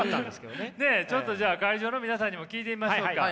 ねえちょっとじゃあ会場の皆さんにも聞いてみましょうか。